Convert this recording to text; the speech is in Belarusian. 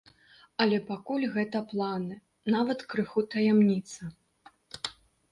Але пакуль гэта планы, нават крыху таямніца.